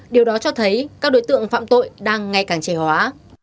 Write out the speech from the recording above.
điều đó cho thấy các đối tượng phạm tội đang ngày càng trẻ hóa